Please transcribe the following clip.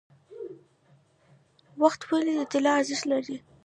وخت ولې د طلا ارزښت لري؟